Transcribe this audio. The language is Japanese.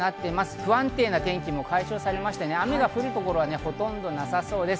不安定な天気も解消されて雨が降る所がほとんどなさそうです。